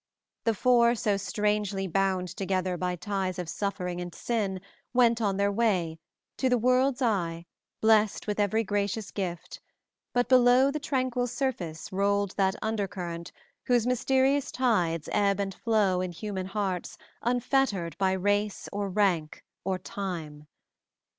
The four so strangely bound together by ties of suffering and sin went on their way, to the world's eye, blessed with every gracious gift, but below the tranquil surface rolled that undercurrent whose mysterious tides ebb and flow in human hearts unfettered by race or rank or time.